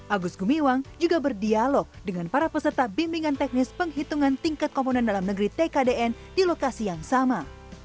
agus gumiwang juga berdialog dengan para peserta bimbingan teknis penghitungan tingkat komponen dalam negeri tkdn di lokasi yang sama